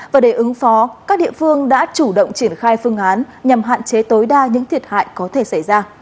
và để ứng phó các địa phương đã chủ động triển khai phương án nhằm hạn chế tối đa những thiệt hại có thể xảy ra